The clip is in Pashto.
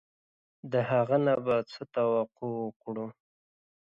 د هغه نه به څه توقع وکړو.